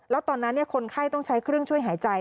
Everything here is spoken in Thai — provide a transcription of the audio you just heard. แล้วตอนนั้นคนไข้ต้องใช้เครื่องช่วยหายใจ